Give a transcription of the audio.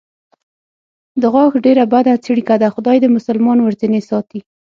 د غاښ ډېره بده څړیکه ده، خدای دې مسلمان ورځنې ساتي.